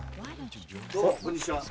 どうもこんにちは。